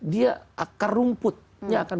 dia akar rumputnya akan